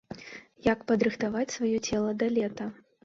Як падрыхтаваць сваё цела да лета?